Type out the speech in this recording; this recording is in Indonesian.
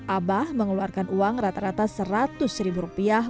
abah mengeluarkan uang rata rata seratus ribu rupiah